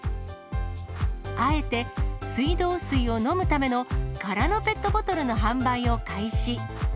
あえて水道水を飲むための、空のペットボトルの販売を開始。